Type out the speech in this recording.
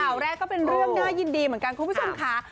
ข่าวแรกก็เป็นเรื่องน่ายินดีเหมือนกันคุณผู้ชมค่ะ